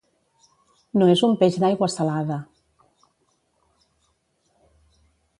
No és un peix d'aigua salada.